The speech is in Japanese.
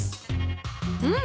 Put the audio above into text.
うん。